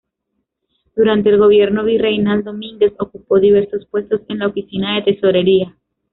Durante el gobierno virreinal, Domínguez ocupó diversos puestos en la oficina de tesorería.